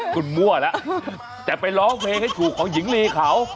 คุณมั่วแล้วแต่ไปร้องเพลงให้ถูกของหญิงลีเขา